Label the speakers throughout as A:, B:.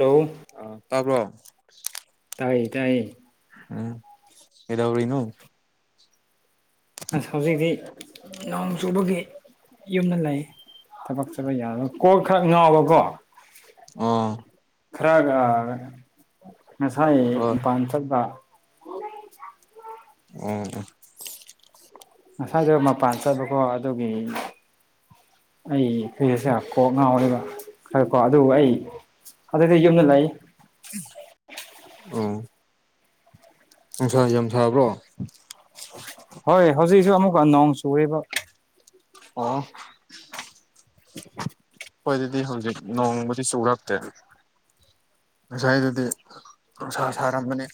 A: hello
B: ꯑ ꯇꯥꯕ꯭ꯔꯣ
A: ꯀꯥꯏ ꯇꯏ
B: ꯎꯝ ꯑꯦꯗꯥ ꯑꯣꯏꯔꯤꯅ
A: ꯑꯁ ꯍꯧꯖꯤꯛꯇꯤ ꯅꯣꯡ ꯆꯨꯕꯒꯤ ꯌꯨꯝꯗ ꯂꯩ ꯊꯕꯛ ꯆꯠꯕ ꯌꯥꯔꯣꯏ ꯀꯣꯛ ꯈꯔ ꯉꯥꯎꯕꯀꯣ
B: ꯑꯥ
A: ꯈꯔ ꯉꯁꯥꯏ ꯃ
B: ꯍꯣꯏ
A: ꯄꯥꯟꯊꯄ
B: ꯑꯣ
A: ꯉꯁꯗ ꯃꯥ ꯄ ꯆ ꯀꯣ ꯑꯗꯨꯒꯤ ꯑꯩ ꯐꯨꯁꯦ ꯀꯣꯛ ꯉꯥꯎꯔꯤꯕ ꯐꯔꯦꯀꯣ ꯑꯗꯨꯕꯨ ꯑꯩ ꯑꯗꯨꯗꯗꯒꯤ ꯌꯨꯝꯗ ꯂꯥꯛꯏ
B: ꯑ [unintelligible] [inaudible] ꯑ ꯐ ꯌꯥꯝ ꯐꯕ꯭ꯔꯣ
A: ꯍꯣꯏ ꯍꯧꯖꯤꯛꯁꯨ ꯑꯃꯨꯛꯀ ꯅꯣꯡ ꯆꯨꯦꯔꯤꯕ
B: ꯑꯣ ꯍꯣꯏ ꯑꯗꯨꯗꯤ ꯍꯧꯖꯤꯛ ꯅꯣꯡꯃꯗꯤ ꯁꯔꯛꯇꯦ ꯉꯁꯥꯏꯗꯗꯤ ꯅꯨꯡꯁꯥ ꯁꯥꯔꯝꯕꯅꯤ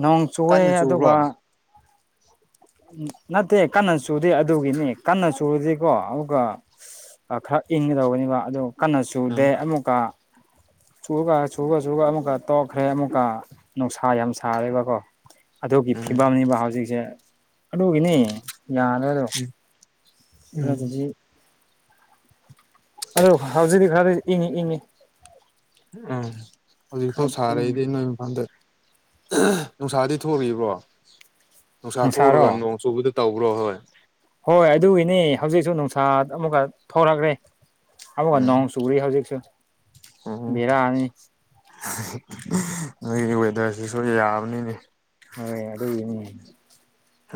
A: ꯅꯣꯡ ꯆꯨꯑꯦ ꯑꯗꯨꯒ
B: [unintelligible] [inaudible]
A: ꯎ ꯅꯠꯇꯦ ꯀꯟꯅ ꯆꯨꯗꯦ ꯑꯗꯨꯒꯤꯅꯤ ꯀꯟꯅ ꯆꯨꯔꯨꯗꯤꯀꯣ ꯑꯗꯨꯒ ꯈꯔ ꯏꯪꯒꯗꯧꯕꯒꯅꯤꯕ ꯑꯗꯨ ꯀꯟꯅ ꯆꯨꯗꯦ
B: ꯎꯝ
A: ꯑꯃꯨꯛꯀ ꯆꯨꯒ ꯆꯨꯨꯔ ꯆꯨꯨꯔ ꯑꯃꯨꯛꯀ ꯇꯣꯛꯈ꯭ꯔꯦ ꯑꯃꯨꯛꯀ ꯅꯨꯡꯁꯥ ꯌꯥꯝ ꯁꯥꯔꯦꯕꯀꯣ ꯑꯗꯨꯒꯤ
B: ꯎꯝ
A: ꯐꯤꯕꯝꯅꯦꯕ ꯍꯧꯖꯤꯛꯁꯦ ꯑꯗꯨꯒꯤꯅꯤ ꯌꯥꯔꯣꯏꯗꯣ ꯑꯗꯨ
B: ꯎꯝ
A: ꯑꯗꯨꯗꯤ ꯑꯗꯨ ꯍꯧꯖꯤꯛꯇꯤ ꯈꯔꯗꯤ ꯏꯪꯉꯤ ꯏꯪꯉꯤ
B: ꯎꯝ ꯍꯧꯖꯤꯛ ꯐꯥꯎ
A: ꯈꯔ ꯏꯪꯉꯤ
B: ꯁꯥꯔꯛꯏꯗꯤ ꯅꯣꯏ ꯏꯐꯥꯟꯜꯗ ꯅꯨꯡꯁꯥꯗꯤ ꯊꯣꯛꯕ꯭ꯔꯣ ꯅꯨꯡꯁꯥ
A: ꯅꯨꯡꯁꯥꯔꯣ
B: ꯊꯣꯛꯂꯒ ꯅꯣꯡ ꯆꯨꯕꯗ ꯇꯧꯕ꯭ꯔꯣ ꯍꯣꯏ
A: ꯍꯣꯏ ꯑꯗꯨꯒꯤꯅꯤ ꯍꯧꯖꯤꯛꯁꯨ ꯅꯨꯡꯁꯥ ꯑꯃꯨꯛꯀ ꯊꯣꯔꯛꯈ꯭ꯔꯦ ꯑꯃꯨꯛꯀ
B: ꯎꯝ
A: ꯅꯣꯡ ꯆꯨꯔꯤ ꯍꯧꯖꯤꯛꯁꯨ
B: ꯎꯝ
A: ꯕꯦꯔꯛꯑꯅꯤ
B: ꯅꯣꯏꯒꯤ ꯋꯦꯗꯔꯁꯤꯁꯨ ꯌꯥꯕꯅꯤꯅꯦ
A: ꯍꯣꯏ ꯑꯗꯨꯒꯤ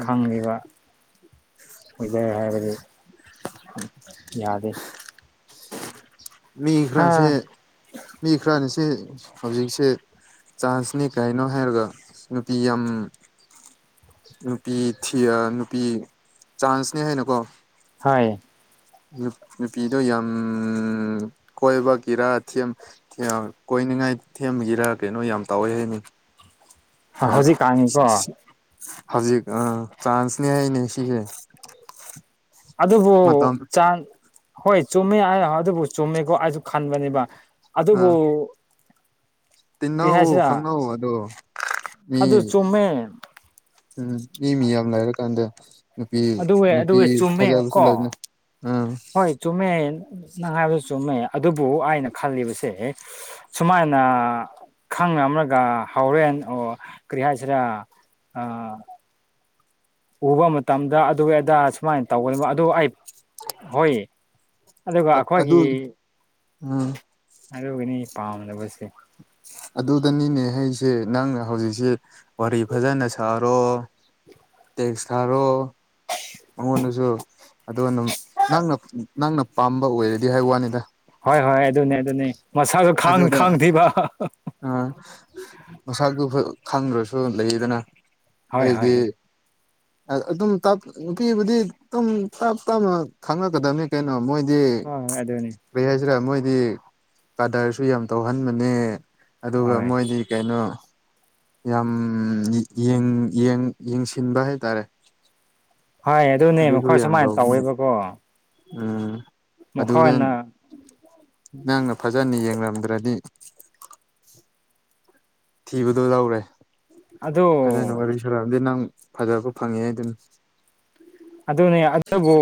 A: ꯈꯪꯉꯕ ꯑꯗꯨꯗꯦ ꯍꯥꯏꯕꯗꯤ ꯌꯥꯗꯦ
B: ꯃꯤ
A: ꯍꯥ
B: ꯈꯔꯥꯁꯦ ꯃꯤ ꯈꯔꯅꯤꯁꯦ ꯍꯧꯖꯤꯛꯁꯦ ꯆꯥꯟꯁꯅꯦ ꯀꯥꯏꯅꯣ ꯍꯥꯏꯔꯒ ꯅꯨꯄꯤ ꯌꯥꯝ ꯅꯨꯄꯤ ꯊꯤ ꯅꯨꯄꯤ ꯆꯥꯟꯁꯅꯦ ꯍꯥꯏꯅꯀꯣ
A: ꯍꯥꯏ
B: ꯅꯨꯄꯤꯗꯨꯣ ꯌꯥꯝ ꯀꯣꯏꯕꯒꯤꯔꯥ ꯀꯣꯏ ꯍꯥꯏꯅꯤꯡꯉꯥꯏ ꯊꯦꯝꯒꯤꯔꯥ ꯀꯩꯅꯣ ꯌꯥꯝ ꯇꯥꯎꯋꯦ ꯍꯥꯏꯅꯤ
A: ꯍꯧꯖꯤꯛ ꯀꯥꯡꯉꯤꯀꯣ
B: ꯍꯧꯖꯤꯛ ꯑ ꯆ꯭ꯔꯥꯟꯁꯅꯦ ꯍꯥꯏꯅꯦ ꯁꯤꯁꯦ
A: ꯑꯗꯨꯕꯨ
B: ꯃꯇꯝ
A: ꯆꯥꯟ ꯍꯣꯏ ꯆꯨꯝꯃꯦ ꯍꯥꯏ ꯑꯗꯨꯕꯨ ꯆꯨꯝꯃꯦꯀꯣ ꯑꯩꯁꯨ ꯈꯟꯕꯅꯦꯕ
B: ꯑ
A: ꯑꯗꯨꯕꯨ ꯀꯔꯤ
B: ꯇꯤꯟꯅꯧ
A: ꯍꯥꯏꯁꯤꯔ
B: ꯈꯪꯍꯧꯎ ꯑꯗꯣ ꯃꯤ
A: ꯑꯗꯨ ꯆꯨꯝꯃꯦ
B: ꯎꯝ ꯃꯤ ꯃꯤ ꯌꯥꯝ ꯂꯩꯔ ꯀꯥꯟꯗ ꯅꯨꯄꯤ
A: ꯑꯗꯨꯋꯦ
B: ꯅꯨꯄꯤ
A: ꯑꯗꯨꯋꯦ ꯆꯨꯝꯃꯦ
B: ꯐꯖꯕꯁꯨ
A: ꯀꯣ
B: ꯂꯩꯕꯅꯦ ꯎꯝ
A: ꯍꯣꯏ ꯆꯨꯝꯃꯦꯃꯦ ꯅꯉꯥꯏꯕ ꯆꯨꯝꯃꯦ ꯑꯗꯨꯕꯨ ꯑꯩꯅ ꯈꯜꯂꯤꯕꯁꯦ ꯁꯨꯃꯥꯏꯅ ꯈꯪꯅ ꯑꯃꯂꯒ ꯍꯣꯔꯦꯟ ꯑꯣ ꯀꯔꯤ ꯍꯥꯏꯁꯤꯔꯥ ꯎꯕ ꯃꯇꯝꯗ ꯑꯗꯨ ꯑꯗꯥ ꯁꯨꯃꯥꯏꯅ ꯇꯧꯒꯗꯕ ꯑꯗꯨ ꯑꯩ ꯍꯣꯏ ꯑꯗꯨꯒ ꯑꯩꯈꯣꯏꯒꯤ
B: ꯑꯝ
A: ꯑꯗꯨꯒꯅꯤ ꯑꯩ ꯄꯥꯝꯗꯕꯣꯠꯁꯦ
B: ꯑꯗꯨꯗꯅꯤꯅꯦ ꯑꯩꯁꯦ ꯅꯪ ꯍꯧꯖꯤꯛꯁꯤꯦ ꯋꯥꯔꯤ ꯐꯖꯅ ꯁꯥꯔꯣ ꯇꯦꯛꯁ ꯊꯔꯣ ꯃꯉꯣꯟꯗꯁꯨ ꯑꯣ ꯑꯗꯨꯝ ꯅꯪꯅ ꯅꯪꯅ ꯄꯥꯝꯕ ꯑꯣꯏꯔꯗꯤ ꯍꯥꯏ ꯋꯥꯅꯤꯗ
A: ꯍꯣꯏ ꯍꯣꯏ ꯑꯗꯨꯅꯦ ꯑꯗꯨꯅꯦ ꯃꯁꯥꯁꯨ ꯈꯪ
B: ꯑꯗꯨꯗ
A: ꯈꯪꯗꯦꯕ
B: ꯑ ꯃꯁꯥꯛꯗꯨꯨ ꯈꯪꯗ꯭ꯔꯁꯨ ꯂꯩꯗꯅ
A: ꯍꯣꯏ ꯍꯣꯏ ꯍ
B: ꯑꯗꯨꯝꯞ ꯅꯨꯄꯤꯕꯨꯗꯤ ꯑꯗꯨꯝ ꯇꯞ ꯇꯞꯅ ꯈꯪꯉꯛꯀꯗꯕꯅꯤ ꯀꯩꯅꯣ ꯃꯣꯏ ꯍꯥꯏꯗꯤ
A: ꯍꯣꯏ ꯑꯗꯨꯅꯤ
B: ꯀꯔꯤ ꯍꯥꯏꯁꯤꯔꯥ ꯃꯣꯏꯗꯤ ꯀꯥꯗꯔꯁꯨ ꯌꯥꯝ ꯇꯧꯍꯟꯕꯅꯦ ꯑꯗꯨꯒ
A: ꯍꯣꯏ
B: ꯃꯣꯏꯗꯤ ꯀꯩꯅꯣ ꯌꯥꯝ ꯌꯦꯡꯁꯤꯟꯕ ꯍꯥꯏꯇꯥꯔꯦ
A: ꯍꯣꯏ ꯑꯗꯨꯅꯦ
B: ꯑꯗꯨꯁꯨ
A: ꯃꯈꯣꯏ
B: ꯌꯥꯝ
A: ꯁꯨꯃꯥꯏꯅ
B: ꯇꯧꯕꯅꯦ
A: ꯇꯧꯋꯦꯕꯀꯣ
B: ꯎꯝ ꯑꯗꯨꯒ
A: ꯃꯈꯣꯏꯅ
B: ꯅꯪꯅ ꯐꯖꯅ ꯌꯦꯡꯂꯡꯝꯗ꯭ꯔꯗꯤ ꯊꯤꯕꯗꯣ ꯂꯧꯔꯦ
A: ꯑꯗꯨ
B: ꯐꯖꯅꯣ ꯋꯥꯔꯤ ꯁꯨꯔꯑꯝꯗꯤ ꯅꯪ ꯐꯖꯔꯛꯄ ꯐꯪꯉꯦ ꯍꯥꯏ ꯑꯗꯨꯅꯤ
A: ꯑꯗꯨꯅꯦ ꯑꯗꯨꯗꯕꯨ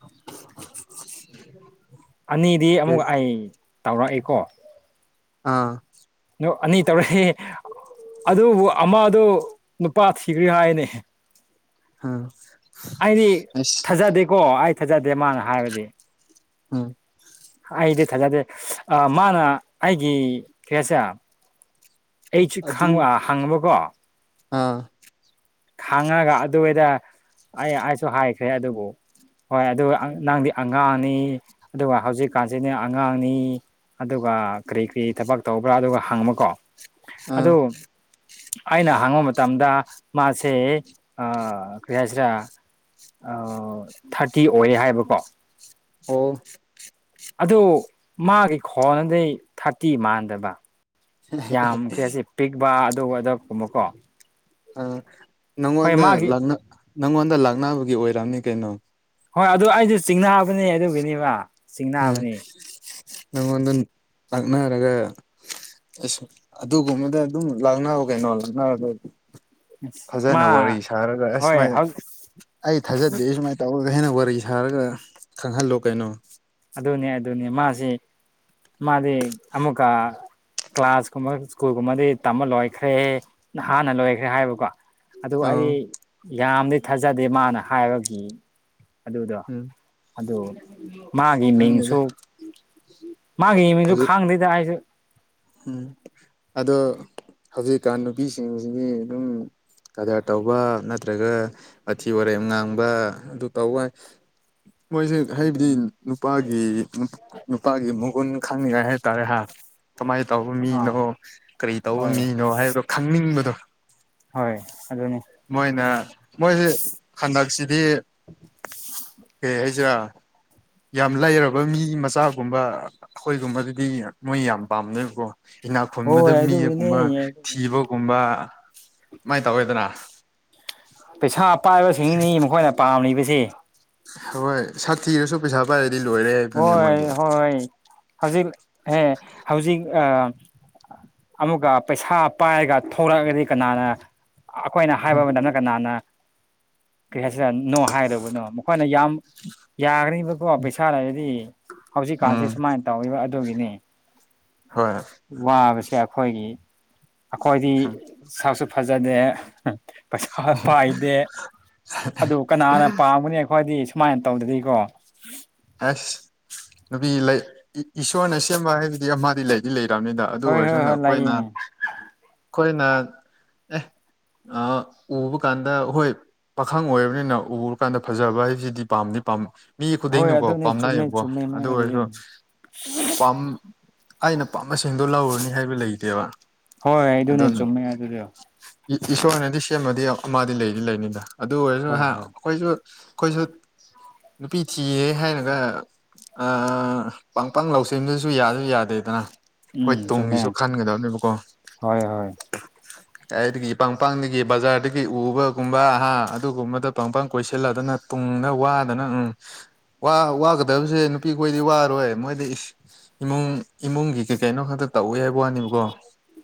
B: [unintelligible]
A: ꯑꯅꯤꯗꯤ ꯑꯃꯨꯛ
B: ꯑꯗꯨꯅꯤ
A: ꯑꯩ ꯇꯧꯔꯛꯏꯀꯣ
B: ꯑꯥ
A: ꯑꯅꯤ ꯇꯧꯔꯛꯏ ꯑꯗꯨꯕꯨ ꯑꯃꯗ ꯅꯨꯄꯥ ꯊꯤꯈ꯭ꯔꯤ ꯍꯥꯏꯅꯤ
B: ꯑ
A: ꯑꯩꯗꯤ ꯊꯥꯖꯗꯦꯀꯣ ꯑꯩ ꯊꯥꯖꯗꯦ ꯃꯥꯅ ꯍꯥꯏꯕꯗꯤ
B: ꯎꯝ
A: ꯑꯩꯗꯤ ꯊꯥꯖꯗꯦ ꯃꯥꯅ ꯑꯩꯒꯤ ꯀꯩꯅꯁꯦ ꯑꯩ ꯆ
B: ꯑꯗꯨꯝ
A: ꯍꯪꯉꯕꯀꯣ
B: ꯑꯥ
A: ꯈꯪꯉꯒ ꯑꯗꯨꯋꯥꯏꯗ ꯑꯩ ꯑꯩꯁꯨ ꯍꯥꯏꯈ꯭ꯔꯦ ꯑꯗꯨꯕꯨ ꯍꯣꯏ ꯑꯗꯨꯒ ꯅꯪꯗꯤ ꯑꯉꯥꯡꯅꯤ ꯑꯗꯨꯒ ꯍꯧꯖꯤꯛꯀꯥꯟꯁꯤꯗꯤ ꯑꯉꯥꯡꯅꯤ ꯑꯗꯨꯒ ꯀꯔꯤ ꯀꯔꯤ ꯊꯕꯛ ꯇꯧꯕ꯭ꯔꯥ ꯑꯗꯨꯒ ꯍꯪꯃꯀꯣ
B: ꯑꯥ
A: ꯑꯩꯅ ꯍꯪꯕ ꯃꯇꯝꯗ ꯃꯥꯁꯦ ꯀꯔꯤ ꯍꯥꯏꯁꯤꯔꯥ ꯊꯥꯔꯇꯤ ꯑꯣꯏꯔꯦ ꯍꯥꯏꯕꯀꯣ
B: ꯑꯣ
A: ꯑꯗꯨ ꯃꯥꯒꯤ ꯈꯣꯟꯅꯗꯩ ꯊꯥꯔꯇꯤ ꯃꯥꯟꯗꯕ ꯌꯥꯝꯈ꯭ꯔꯦ ꯑꯁꯤ ꯄꯤꯛꯄ ꯑꯗꯨꯒ ꯑꯗꯨ ꯀꯨꯝꯕꯀꯣ
B: ꯑ ꯅꯪꯉꯣꯟꯗ ꯅꯪꯉꯣꯟꯗ ꯂꯥꯛꯅꯕꯒꯤ ꯑꯣꯏꯔꯝꯅꯤ ꯀꯩꯅꯣ
A: ꯍꯣꯏ ꯑꯗꯨ ꯑꯩꯁꯨ ꯆꯤꯡꯅꯥꯕꯅꯦ ꯑꯗꯨꯒꯤꯅꯦꯕ
B: ꯎꯝ
A: ꯆꯤꯡꯅꯕꯅꯦ
B: ꯅꯪꯉꯣꯟꯗ ꯑꯛꯅꯔꯒ ꯑꯁ ꯑꯗꯨꯒꯨꯝꯕꯗ ꯑꯗꯨꯝ ꯂꯥꯛꯅꯕ ꯀꯩꯅꯣ ꯂꯥꯛꯅꯔꯗꯗꯤ
A: ꯃꯥ
B: ꯐꯖꯅ ꯋꯥꯔꯤ ꯁꯥꯔꯒ
A: ꯍꯣꯏ
B: ꯑꯁꯃꯥꯏꯅ
A: ꯍꯧ
B: ꯑꯩ ꯊꯥꯖꯗꯦ ꯁꯨꯃꯥꯏꯅ ꯇꯧ ꯍꯦꯟꯅ ꯋꯥꯔꯤ ꯁꯥꯔꯒ ꯈꯪꯍꯜꯂꯣ ꯀꯩꯅꯣ
A: ꯑꯗꯨꯅꯦ ꯑꯗꯨꯅꯦ ꯃꯥꯁꯤ ꯃꯥꯗꯤ ꯑꯃꯨꯛꯀ ꯀ꯭ꯂꯥꯁ ꯀꯨꯝꯕ ꯁ꯭ꯀꯨꯜꯒꯨꯝꯕꯗꯤ ꯇꯝꯕ ꯂꯣꯏꯈ꯭ꯔꯦ ꯍꯥꯟꯅ ꯂꯣꯏꯈ꯭ꯔꯦ ꯍꯥꯏꯕꯀꯣ ꯑꯗꯨ
B: ꯑꯥ
A: ꯑꯩꯗꯤ ꯌꯥꯝꯗꯤ ꯊꯥꯖꯗꯦ ꯃꯥꯅ ꯍꯥꯏꯕꯒꯤ ꯑꯗ ꯎꯗ
B: ꯎꯝ
A: ꯑꯗ ꯃꯥꯒꯤ ꯃꯤꯡꯁꯨ
B: ꯈꯪꯗꯦꯗ
A: ꯃꯥꯒꯤ ꯃꯤꯡꯁꯨ
B: ꯍꯧꯖꯤꯛ
A: ꯈꯥꯡꯗ꯭ꯣꯏꯗ ꯑꯩꯁꯨ
B: ꯎꯝ ꯑꯗꯣ ꯍꯧꯖꯤꯛꯀꯥꯟ ꯅꯨꯄꯤꯁꯤꯡꯁꯤꯗꯤ ꯑꯗꯨꯝ ꯀꯗꯔ ꯇꯧꯕ ꯅꯠꯇ꯭ꯔꯒ ꯑꯊꯤ ꯋꯥꯔꯦꯝ ꯉꯥꯡꯕ ꯑꯗꯨ ꯇꯧꯕ ꯃꯣꯏꯁꯦ ꯍꯥꯏꯕꯗꯤ
A: ꯑꯗꯨꯅꯤ
B: ꯅꯨꯄꯥꯒꯤ ꯅꯨꯄꯥꯒꯤ ꯃꯒꯣꯟ ꯈꯪꯅꯤꯡꯉꯥꯏ ꯍꯥꯏꯇꯥꯔꯦ ꯍꯥ ꯀꯃꯥꯏꯅ ꯇꯧꯕ ꯃꯤꯅꯣ
A: ꯑꯥ
B: ꯀꯔꯤ ꯇꯧꯕ
A: ꯍꯣꯏ
B: ꯃꯤꯅꯣ ꯍꯥꯏꯕꯗꯣ ꯈꯪꯅꯤꯡꯕꯗꯣ
A: ꯍꯣꯏ ꯑꯗꯨꯅꯤ
B: ꯃꯣꯏꯅ ꯃꯣꯏꯁꯤ ꯍꯟꯗꯛꯁꯤꯗꯤ ꯍ ꯑꯩꯁꯦ ꯌꯥꯝ ꯂꯩꯔꯕ ꯃꯤ ꯃꯆꯥꯒꯨꯝꯕ ꯑꯩꯈꯣꯏꯒꯨꯝꯕꯗꯨꯗꯤ ꯃꯣꯏ ꯌꯥꯝ ꯄꯥꯝꯅꯕꯀꯣ ꯍꯤꯅꯥ ꯈꯨꯟꯕꯗ
A: ꯍꯣꯏ
B: ꯃꯤꯒꯨꯝꯕ
A: ꯑꯗꯨꯒꯤꯅꯤ
B: ꯊꯤꯕꯒꯨꯝꯕ ꯀꯃꯥꯏꯅ ꯇꯧꯋꯦꯗꯅ
A: ꯄꯩꯁꯥ ꯄꯥꯏꯕꯁꯤꯡꯅꯤ ꯃꯈꯣꯏꯅ ꯄꯥꯝꯂꯤꯕꯕꯁꯤ
B: ꯍꯣꯏ ꯁꯥꯊꯤꯅꯁꯨ ꯄꯩꯁꯥ ꯄꯥꯏ
A: ꯍꯣꯏ ꯍꯣꯏ ꯍꯧꯖꯤꯛ ꯍꯦ ꯍꯧꯖꯤꯛ ꯑ ꯑꯃꯨꯛꯀ ꯄꯩꯁꯥ ꯄꯥꯏꯔꯒ ꯊꯣꯛꯂꯛꯑꯒꯗꯤ ꯀꯅꯥꯅ ꯑꯩꯈꯣꯏꯅ ꯍꯥꯏꯕ ꯃꯇꯝꯗ ꯀꯅꯥꯅꯔꯤ ꯑꯁꯤꯗ ꯅꯣ ꯍꯥꯏꯗꯧꯕꯅꯣ ꯃꯈꯣꯏꯅ ꯌꯥꯝ ꯌꯥꯈꯔꯤꯕꯀꯣ ꯄꯩꯁꯥ ꯂꯩꯔꯗꯤ
B: ꯎꯝ
A: ꯍꯧꯖꯤꯛꯀꯥꯟꯁꯤ꫰ꯁꯨꯃꯥꯏꯅ ꯇꯧꯔꯤꯕ ꯑꯗꯨꯒꯤꯅꯤ
B: ꯍꯣꯏ
A: ꯋꯥꯕꯁꯤ ꯀꯦ ꯑꯩꯈꯣꯏꯒꯤ ꯑꯩꯈꯣꯏꯗꯤ ꯁꯥꯛꯁꯨ ꯐꯖꯗꯦ ꯄꯩꯁꯥ ꯄꯥꯏꯗꯦ ꯑꯗꯨ ꯀꯅꯥꯅ ꯄꯥꯝꯒꯅꯤ ꯑꯩꯈꯣꯏꯗꯤ ꯁꯨꯃꯥꯏꯅ ꯇꯧꯗꯗꯤꯀꯣ
B: ꯑꯁ [unintelligible] [inaudible] ꯅꯨꯄꯤ ꯂꯩ ꯏꯁꯣꯔꯅ ꯁꯦꯝꯕ ꯍꯥꯏꯕꯗꯤ ꯑꯃꯗꯤ ꯂꯩꯗꯤ ꯂꯩꯔꯤ ꯇꯅꯤꯗ ꯑꯗꯨ
A: ꯍꯣꯏ ꯍꯣꯏ
B: ꯑꯣꯏꯔꯁꯨꯅ
A: ꯍꯣꯏ
B: ꯑꯩꯈꯣꯏꯅ
A: ꯂꯩꯌꯦ
B: ꯑꯩꯈꯣꯏꯅ ꯑꯦ ꯑ ꯎꯕ ꯀꯥꯟꯗ ꯍꯣꯏ ꯄꯥꯈꯪ ꯑꯣꯏꯔꯕꯅꯤꯅ ꯎꯔ ꯀꯥꯟꯗ ꯐꯖꯕ ꯍꯥꯏꯕꯁꯤꯗꯤ ꯄꯥꯝꯗꯤ ꯄꯥꯝ ꯃꯤ
A: ꯍꯣꯏ
B: ꯈꯨꯗꯤꯡꯅ ꯀꯣ
A: ꯑꯗꯨꯅꯦ ꯆꯨꯝꯃꯦ
B: ꯄꯥꯝꯅꯏꯌꯦꯕꯀꯣ
A: ꯆꯨꯝꯃꯦ
B: ꯑꯗꯨ
A: ꯑꯗꯨꯗꯤ
B: ꯑꯣꯏꯔꯁꯨ ꯄꯝ ꯑꯩꯅ ꯄꯥꯝꯕꯁꯤꯡꯗꯣ ꯂꯧꯔꯅꯤ ꯍꯥꯏꯕ ꯂꯩꯇꯦꯕ
A: ꯍꯣꯏꯣꯏ ꯑꯩ ꯑꯗꯨꯅꯦ
B: ꯑꯗꯨꯅ
A: ꯆꯨꯝꯃꯦ ꯑꯗꯨꯗ
B: ꯏꯁꯣꯔꯅꯗꯤ ꯁꯦꯝꯃꯗꯤ ꯑꯃꯗꯤꯗꯤ ꯂꯩꯗꯤ ꯂꯩꯅꯤꯗ ꯑꯗꯨ ꯑꯣꯏꯔꯁꯨ
A: ꯍꯣꯏ
B: ꯍꯥꯏ
A: ꯍꯣꯏ
B: ꯑꯩꯈꯣꯏꯁꯨ ꯑꯩꯈꯣꯏꯁꯨ ꯅꯨꯄꯤ ꯊꯤꯌꯦ ꯍꯥꯏ ꯑꯗ ꯄꯪ ꯄꯪ ꯂꯧꯁꯤꯟꯗꯨꯁꯨ ꯌꯥꯁꯨ ꯌꯥꯗꯦꯗꯅ ꯑꯩꯈꯣꯏ
A: ꯎꯝ ꯆꯨꯝꯃꯦ
B: ꯇꯨꯡꯒꯤꯁꯨ ꯈꯟꯒꯗꯕꯅꯦꯕꯀꯣ
A: ꯍꯣꯏ ꯍꯣꯏ
B: ꯑꯩꯗꯒꯤ ꯄꯪꯄꯗꯒꯤ ꯕꯖꯥꯔꯗꯒꯤ ꯎꯕꯒꯨꯝꯕ ꯑꯥ ꯑꯗꯨꯒꯨꯝꯕꯗ ꯄꯪꯄꯥꯡ ꯀꯣꯏꯁꯤꯜꯂꯗꯅ ꯇꯨꯡꯗ ꯋꯥꯗꯅ ꯎꯝ ꯋꯥꯒꯗꯕꯁꯦ ꯅꯨꯄꯤꯈꯣꯏꯗꯤ ꯋꯥꯔꯣꯏ ꯃꯣꯏꯗꯤ ꯏꯃꯨꯡ ꯏꯃꯨꯡꯒꯤ ꯀꯩ ꯀꯩꯅꯣ ꯈꯛꯇ ꯇ ꯎꯋ ꯌꯥꯥꯏ ꯄꯅꯤꯕꯀꯣ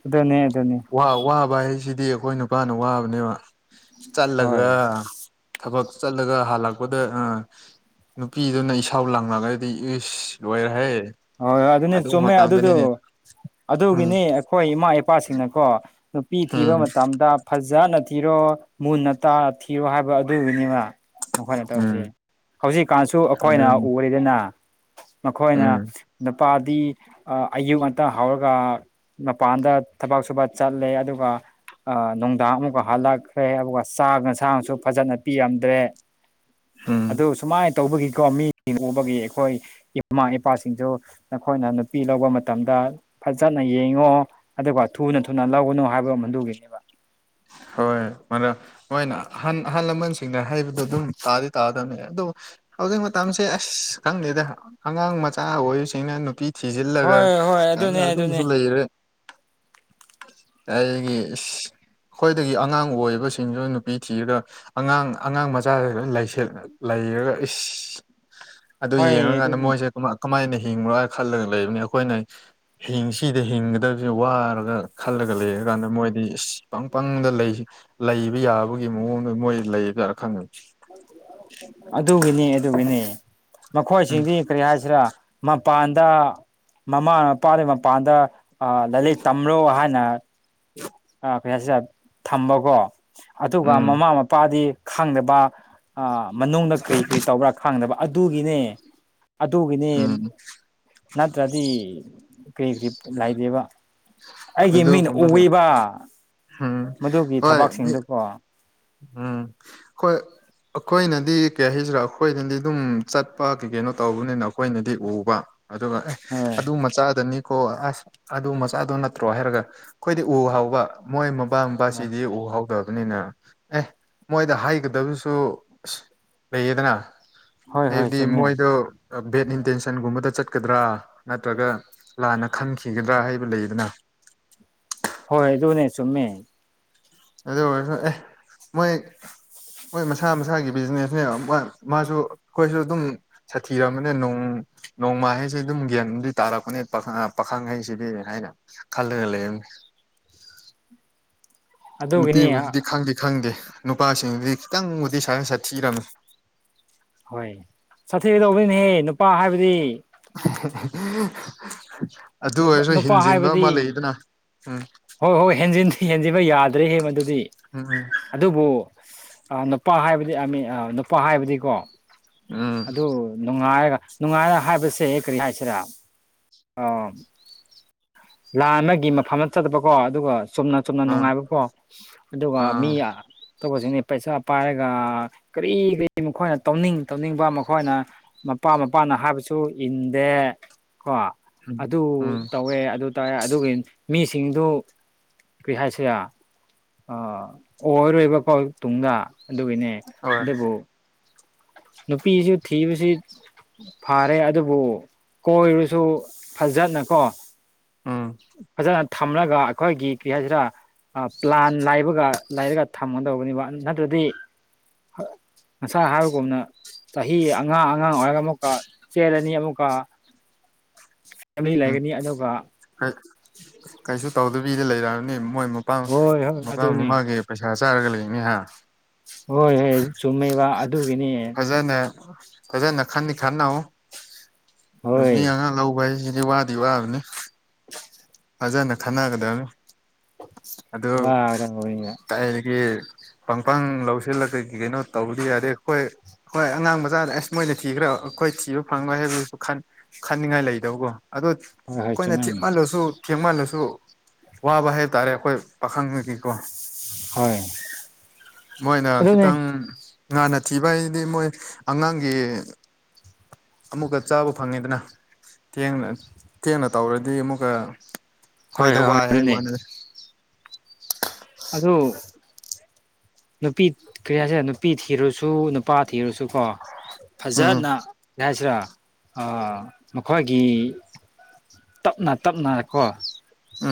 A: ꯑꯗꯨꯅꯦ ꯑꯗꯨꯅꯦ
B: ꯋꯥ ꯋꯥꯕ ꯍꯥꯏꯁꯤꯗꯤ ꯑꯩꯈꯣꯏ ꯅꯨꯄꯥꯅ ꯋꯥꯕꯅꯦꯕ
A: ꯍꯣꯏ
B: ꯆꯠꯂꯒ ꯊꯕꯛ ꯆꯠꯂꯒ ꯍꯜꯂꯛꯄꯗ ꯅꯨꯄꯤꯗꯨꯅ ꯏꯁꯥꯎ ꯂꯥꯡꯉꯒꯗꯤ ꯏꯁ ꯂꯣꯏꯔꯍꯦ
A: ꯍ ꯑꯗꯨꯅꯦ
B: ꯑꯗꯨ
A: ꯆꯨꯝꯃꯦ ꯑꯗꯨꯗꯨ
B: ꯃꯇꯝꯗꯅꯤꯅꯦ ꯎꯝ
A: ꯑꯗꯨꯒꯤꯅꯤ ꯑꯩꯈꯣꯏ ꯏꯃꯥ ꯏꯄꯥꯁꯤꯡꯅꯀꯣ ꯅꯨꯄꯤ ꯊꯤꯕ
B: ꯎꯝ
A: ꯃꯇꯝꯗ ꯐꯖꯅ ꯊꯤꯔꯣ ꯃꯨꯟꯅ ꯇ ꯊꯤꯔꯣ ꯍꯥꯏꯕ ꯑꯗꯨꯒꯤꯅꯤꯅ ꯃꯈꯣꯏꯅ
B: ꯎꯝ
A: ꯇꯧꯁꯤ ꯍꯧꯖꯤꯛꯀꯥꯟꯁꯨ ꯑꯩꯈꯣꯏꯅ
B: ꯑꯗꯨꯅꯤ
A: ꯎꯔꯤꯗꯅ ꯃꯈꯣꯏꯅ
B: ꯎꯝ
A: ꯅꯨꯄꯥꯗꯤ ꯑꯌꯨꯛ ꯉꯇ ꯍꯧꯔꯒ ꯃꯄꯥꯟꯗ ꯊꯕꯛ ꯁꯨꯕ ꯆꯠꯂꯦ ꯑꯗꯨꯒ ꯅꯨꯡꯗꯥꯡ ꯑꯃꯨꯛꯀ ꯍꯜꯂꯛꯈ꯭ꯔꯦ ꯑꯗꯨꯒ ꯆꯥ ꯉꯁꯥꯡꯁꯨ ꯐꯖꯅ ꯄꯤꯔꯝꯗ꯭ꯔꯦ
B: ꯎꯝ
A: ꯑꯗꯨ ꯁꯨꯃꯥꯏꯅ ꯇꯧꯕꯒꯤꯀꯣ ꯃꯤꯁꯤꯡ ꯎꯕꯒꯤ ꯑꯩꯈꯣꯏ ꯏꯃꯥ ꯏꯄꯥꯁꯤꯡꯁꯨ ꯅꯈꯣꯏꯅ ꯅꯨꯄꯤ ꯂꯧꯕ ꯃꯇꯝꯗ ꯐꯖꯅ ꯌꯦꯡꯉꯣ ꯑꯗꯨꯒ ꯊꯨꯅ ꯊꯨꯅ ꯂꯧꯒꯅꯨ ꯍꯥꯏꯕ ꯑꯗꯨꯒ ꯍꯟꯗꯨꯒꯤꯅꯦꯕ
B: ꯍꯣꯏ ꯃꯗ ꯃꯣꯏꯅ ꯑ ꯑꯍꯜ ꯂꯃꯟꯁꯤꯡꯅ ꯍꯩꯕꯗꯣ ꯑꯗꯨꯝ ꯇꯥꯗꯤ ꯇꯥꯗꯕꯅꯤ ꯑꯗꯨꯝ ꯍꯧꯖꯤꯛ ꯃꯇꯝꯁꯦ ꯑꯁ ꯈꯪꯗꯦꯗ ꯑꯉꯥꯡ ꯃꯆꯥ ꯑꯣꯏꯔꯤꯁꯤꯡꯅ ꯅꯨꯄꯤ ꯊꯤꯖꯤꯜꯂꯒ
A: ꯍꯣꯏ ꯍꯣꯏ ꯑꯗꯨꯅꯦ ꯑꯗꯨꯅꯦ
B: ꯑꯗꯨꯝꯕꯁꯨ ꯂꯩꯔꯦ ꯑꯩꯒꯤ ꯑꯩꯈꯣꯏꯗꯒꯤ ꯑꯉꯥꯡ ꯑꯣꯏꯕꯁꯤꯡꯗꯨ ꯅꯨꯄꯤ ꯊꯤꯔꯒ ꯑꯉꯥꯡ ꯑꯉꯥꯡ ꯃꯆꯥ ꯂꯩ ꯄꯔꯒ ꯏꯁ ꯑꯗꯨ
A: ꯍꯣꯏ
B: ꯌꯦꯡꯉꯀꯥꯟꯗ
A: ꯑꯗꯨꯅꯤ
B: ꯃꯣꯏꯁꯦ ꯑꯗꯨ ꯀꯃꯥꯏꯅ ꯍꯤꯡꯕꯣ ꯍꯥꯏꯅ ꯈꯜꯂꯒ ꯂꯩꯕꯅꯤ ꯑꯩꯈꯣꯏꯅ ꯍꯤꯡꯁꯤꯗ ꯍꯤꯡꯒꯗꯕꯁꯦ ꯋꯥꯔꯒ ꯈꯜꯂ ꯐꯒꯠꯂꯛꯑꯦ ꯀꯥꯟꯗ ꯃꯣꯏꯗꯤ ꯄꯪ ꯄꯪꯗ ꯂꯩ ꯂꯩꯕ ꯌꯥꯕꯒꯤ ꯃꯑꯣꯡꯗ ꯃꯣꯏ ꯂꯩꯗꯥꯔ ꯈꯪꯅꯅꯤ
A: ꯑꯗꯨꯒꯤꯅꯦ ꯑꯗꯨꯒꯤꯅꯦ
B: ꯎꯝ
A: ꯃꯈꯣꯏꯁꯤꯡꯗꯤ ꯀꯔꯤ ꯍꯥꯏꯁꯤꯔꯥ ꯃꯄꯥꯟꯗ ꯃꯃꯥ ꯃꯄꯥꯗꯨ ꯃꯄꯥꯟꯗ ꯂꯥꯏꯔꯤꯛ ꯇꯝꯂꯣ ꯍꯥꯏꯅ ꯀꯩꯌꯥꯁꯤꯗ ꯊꯝꯕꯀꯣ ꯑꯗꯨꯒ
B: ꯎꯝ
A: ꯃꯃꯥ ꯃꯄꯥꯗꯤ ꯈꯪꯗꯕ ꯃꯅꯨꯡꯗ ꯀꯔꯤ ꯀꯔꯤ ꯇꯧꯕ꯭ꯔꯥ ꯈꯥꯡꯗꯕ ꯑꯗꯨꯒꯤꯅꯦ ꯑꯗꯨꯒꯤꯅꯤ
B: ꯎꯝ
A: ꯅꯠꯇ꯭ꯔꯗꯤ ꯀꯔꯤ ꯀꯔꯤ ꯂꯩꯗꯦꯕ ꯑꯩꯒꯤ ꯃꯤꯅ
B: ꯑꯗꯨꯒꯨꯝꯕꯗ
A: ꯎꯕ
B: ꯎꯝ
A: ꯃꯗꯨꯒꯤ
B: ꯍꯣꯏ ꯃꯤ
A: ꯊꯕꯛꯁꯤꯡꯗꯨꯀꯣ
B: ꯎꯝ ꯑꯩꯣꯏ ꯑꯩꯈꯣꯏꯅꯗꯤ ꯀꯩ ꯍꯥꯏꯁꯤꯔꯥ ꯑꯩꯈꯣꯏꯅꯗꯤ ꯑꯗꯨꯝ ꯆꯠꯄ ꯀꯩ ꯀꯩꯅꯣ ꯇꯧꯕꯅꯤꯅ ꯑꯩꯈꯣꯏꯅꯗꯤ ꯎꯕ ꯑꯗꯨꯒ
A: ꯍꯣꯏ
B: ꯑꯗꯨ ꯃꯆꯥꯗꯅꯤ ꯀꯣ ꯑꯁ ꯑꯗꯨ ꯃꯆꯥꯗꯣ ꯅꯠꯇ꯭ꯔꯣ ꯍꯥꯏꯔꯒ ꯑꯩꯈꯣꯏꯗꯤ ꯎ ꯍꯥꯎꯕ ꯃꯣꯏ
A: ꯍꯣꯏ
B: ꯑꯄꯥꯝꯄꯥꯁꯤꯗꯤ ꯎ ꯍꯥꯎꯗꯕꯅꯤꯅ ꯑꯦ ꯃꯣꯏꯗ ꯍꯥꯏꯒꯗꯕꯁꯨ ꯑꯁ ꯂꯩꯌꯦꯗꯅ
A: ꯍꯣꯏ ꯍꯣꯏ
B: ꯍꯥꯏꯕꯗꯤ
A: ꯆꯨꯝꯃꯦ
B: ꯃꯣꯏꯗꯣ ꯕꯦꯠ ꯏꯟꯇꯦꯟꯁꯟꯒꯨꯝꯕꯗ ꯆꯠꯀꯗ꯭ꯔꯥ ꯅꯠꯇ꯭ꯔꯒ ꯂꯥꯟꯅ ꯈꯪꯈꯤꯒꯗ꯭ꯔꯥ ꯍꯥꯏꯕ ꯂꯩꯗꯅ
A: ꯍꯣꯏ ꯍ ꯑꯗꯨꯅꯦꯁꯨꯃꯦ
B: ꯑꯗꯨꯗ ꯑꯣꯏ ꯃꯣꯏ ꯃꯣꯏ ꯃꯁꯥ ꯃꯁꯥꯒꯤ ꯕꯤꯖꯤꯅꯦꯁꯅꯦꯕ ꯃꯥ ꯃꯥꯁꯨ ꯑꯩꯈꯣꯏꯁꯨ ꯑꯗꯨꯝ ꯁꯥꯊꯤꯔꯝꯕꯅꯦ ꯅꯣꯡ ꯅꯣꯡꯃꯥ ꯍꯩꯁꯤꯦ ꯑꯗꯨꯝ ꯒ꯭ꯌꯥꯟꯗꯤ ꯇꯥꯔꯛꯄꯅꯦꯥ ꯄꯥꯈꯪꯍꯩꯁꯤꯗꯤ ꯍꯥꯏꯅ ꯈꯜꯂꯒ ꯂꯩꯔꯝꯃꯦ
A: [unintelligible] ꯑꯗꯨꯒꯤꯅꯤ
B: ꯅꯨꯄꯤꯕꯨꯗꯨꯗꯤ ꯈꯪꯗꯦ ꯈꯪꯗꯦ ꯅꯨꯄꯥꯁꯤꯡꯗꯤ ꯈꯤꯇꯪꯕꯨꯗꯤ ꯁꯥꯊꯤꯔꯝꯃꯤ
A: ꯍꯣꯏ ꯁꯥꯊꯤꯗꯧꯕꯅꯤꯅꯍꯦ ꯅꯨꯄꯥ ꯍꯥꯏꯕꯗꯤ
B: ꯑꯗꯨ ꯑꯣꯏꯔꯁꯨ
A: ꯅꯨꯄꯥ
B: ꯍꯤꯟꯖꯤꯟꯕ
A: ꯍꯥꯏꯕꯗꯤ
B: ꯑꯃ ꯂꯩꯗꯅ ꯎꯝ
A: ꯍꯣꯏ ꯍꯣꯏ ꯍꯦꯟꯖꯤꯟ ꯍꯦꯟꯖꯤꯟꯕ ꯌꯥꯗ꯭ꯔꯦꯍꯦ ꯃꯗꯨꯗꯤ
B: ꯎꯝ
A: ꯑꯗꯨꯕꯨ ꯑ ꯅꯨꯄꯥ ꯍꯥꯏꯕꯗꯤ ꯅꯨꯄꯥ ꯍꯥꯏꯕꯗꯤꯀꯣ
B: ꯎꯝ
A: ꯑꯗ ꯅ ꯍꯥꯏꯒ ꯅꯨꯡꯉꯥꯏꯅ ꯍꯥꯏꯕꯁꯦ ꯀꯔꯤ ꯍꯥꯏꯁꯤꯔꯥ ꯑ ꯂꯥꯟ ꯑꯃꯒꯤ ꯃꯐꯝꯗ ꯆꯠꯇꯕꯀꯣ ꯑꯗꯨꯒ ꯆꯨꯝꯅ ꯆꯨꯝꯅ
B: ꯎꯝ
A: ꯅꯨꯡꯉꯥꯏꯕꯀꯣ ꯑꯗꯨꯒ ꯃꯤ
B: ꯑꯥ
A: ꯇꯧꯕꯁꯤꯅꯤ ꯄꯩꯁꯥ ꯄꯥꯏꯔꯒ ꯀꯔꯤ ꯀꯔꯤ ꯃꯈꯣꯏꯅ ꯇꯧꯅꯤꯡ ꯇꯧꯅꯤꯡꯕ ꯃꯈꯣꯏꯅ ꯃꯄꯥ ꯃꯄꯥ ꯍꯥꯏꯕꯁꯨ ꯏꯟꯗꯦ ꯀꯣ
B: ꯎꯝ
A: ꯑꯗꯨ
B: ꯎꯝ
A: ꯇꯧꯋꯦ ꯑꯗꯨ ꯇꯔꯦ ꯑꯗꯨꯒꯤ ꯃꯤꯁꯤꯡꯗꯨ ꯀꯔꯤ ꯍꯥꯏꯁꯦ ꯑ ꯑꯣꯏꯔꯣꯏꯕꯀꯣ ꯇꯨꯡꯗ ꯑꯗꯨꯒꯤꯅꯦ
B: ꯍꯣꯏ
A: ꯑꯗꯨꯕꯨ ꯅꯨꯄꯤꯁꯨ ꯊꯤꯕꯁꯤ ꯐꯥꯔꯦ ꯑꯗꯨꯕꯨ ꯀꯣꯏꯔꯨꯁꯨ ꯐꯖꯠꯅꯀꯣ
B: ꯎꯝ
A: ꯐꯖꯅ ꯊꯝꯂꯒ ꯑꯩꯈꯣꯏꯒꯤ ꯀꯔꯤ ꯍꯥꯏꯁꯤꯔ ꯄ꯭ꯂꯥꯟ ꯂꯕꯒ ꯂꯩꯔꯒ ꯊꯝꯒꯗꯧꯕꯅꯦꯕ ꯅꯠꯇ꯭ꯔꯗꯤ ꯑꯁ ꯍꯥꯏꯥꯎ ꯨꯝꯅ ꯆꯍꯤ ꯑꯉꯥꯡ ꯑꯉꯥꯡ ꯑꯣꯏꯔꯒ ꯑꯃꯨꯛꯀ ꯆꯦꯠ ꯑꯅꯤ ꯑꯃꯨꯛꯀ ꯐꯦꯂꯤ
B: ꯎꯝ
A: ꯂꯩꯒꯅꯤ ꯑꯗꯨꯒ
B: ꯐ꯭ꯔꯤꯗ ꯂꯩꯔꯛꯑꯅꯤ ꯃꯣꯏ ꯃꯄꯥ
A: ꯍꯣꯏ ꯍꯣꯏ
B: ꯃꯄꯥ
A: ꯑꯗꯨꯅꯤ
B: ꯃꯃꯥꯒꯤ ꯄꯩꯁꯥ ꯆꯥꯔꯒ ꯂꯩꯔꯅꯤ ꯍꯥꯏ
A: ꯍꯣꯏ ꯍꯣꯏ ꯆꯨꯝꯃꯦꯕ ꯑꯗꯨꯒꯤꯅꯤ
B: ꯐꯖꯅ ꯐꯖꯅ ꯈꯅꯤ ꯈꯟꯅ ꯅꯨꯄꯤ
A: ꯍꯣꯏ
B: ꯑꯉꯥꯡ ꯂꯧꯕ ꯍꯥꯏꯁꯤ ꯑꯩ ꯋꯥꯗꯤ ꯋꯥꯕꯅꯦ ꯐꯖꯅ ꯈꯟꯅꯒꯗꯕꯅꯤ ꯑꯗꯨ
A: ꯋꯥꯒꯗꯕꯅꯤꯕ
B: ꯇꯒꯤ ꯄꯪꯄꯥꯡ ꯂꯧꯁꯤꯜꯂꯒ ꯀꯩꯅꯣ ꯇꯧꯗꯤ ꯌꯥꯔꯦ ꯑꯩꯈꯣꯏ ꯍꯣꯏ ꯑꯉꯥꯡ ꯃꯆꯥꯗ ꯑꯁ ꯃꯣꯏꯅ ꯊꯤꯈ꯭ꯔ ꯑꯩꯈꯣꯏ ꯊꯤꯕ ꯐꯪꯉꯣꯏ ꯍꯥꯏꯕꯗꯨꯁꯨ ꯈꯟꯅꯤꯡꯉꯥꯏ ꯂꯩꯗꯕꯀꯣ ꯑꯗ
A: ꯍꯣꯏ ꯍꯣꯏ
B: ꯑꯩꯈꯣꯏꯅ
A: ꯆꯨꯝꯃꯦ
B: ꯊꯤꯞꯃꯜꯂꯁꯨ ꯊꯦꯡꯃꯜꯂꯁꯨ ꯋꯥꯕ ꯍꯥꯏꯇꯥꯔꯦ ꯑꯩꯈꯣꯏ ꯄꯥꯈꯪꯉꯒꯤꯀꯣ
A: ꯍꯣꯏ
B: ꯃꯣꯏꯅ
A: ꯑꯗꯨꯅꯦ
B: ꯈꯤꯇꯪ ꯉꯥꯅ ꯊꯤꯕ ꯍꯥꯏꯗꯤ ꯃꯣꯏ ꯑꯉꯥꯡꯒꯤ ꯑꯃꯨꯛꯀ ꯆꯥꯕ ꯐꯪꯉꯤꯗꯅ ꯊꯦꯡꯅ ꯊꯦꯡꯅ ꯇꯧꯔꯗꯤ ꯑꯃꯨꯛꯀ
A: ꯍꯣꯏ
B: ꯑꯩꯈꯣꯏꯗ
A: ꯍꯣꯏ ꯍꯣꯏ
B: ꯋꯥꯏ ꯍꯥꯏ
A: ꯑꯗꯨꯅꯦ
B: ꯋꯥꯅꯦ
A: ꯑꯗꯨ ꯅꯨꯄꯤ ꯀꯔꯤ ꯍꯥꯏꯁꯤꯔ ꯅꯨꯄꯤ ꯊꯤꯔꯨꯁꯨ ꯅꯨꯄꯥ ꯊꯤꯔꯨꯁꯨ ꯀꯣ
B: ꯎꯝ
A: ꯐꯖꯅ ꯂꯁ꯭ꯔꯥ ꯑꯥ ꯃꯈꯣꯏꯒꯤ ꯇꯞꯅ ꯇꯞꯅ ꯀꯣ
B: ꯎꯝ